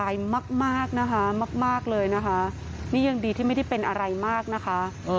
มากมากนะคะมากเลยนะคะนี่ยังดีที่ไม่ได้เป็นอะไรมากนะคะ